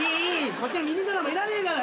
こっちのミニドラマいらねえから。